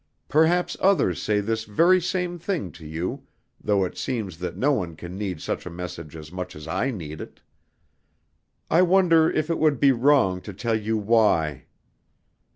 Perhaps others say this very same thing to you though it seems that no one can need such a message as much as I need it. I wonder if it would be wrong to tell you why?